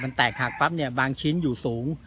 มันแตกหักปั๊บเนี่ยบางชิ้นอยู่สูง